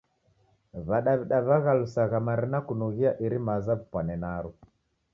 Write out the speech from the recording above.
W'adaw'ida w'aghalusagha marina kunughia iri maza w'ipwane naro.